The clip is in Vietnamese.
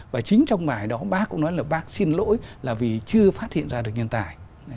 và chính trong bài đó bác cũng nói là bác xin lỗi là vì chưa phát hiện ra được nhân tài